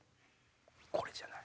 これじゃない。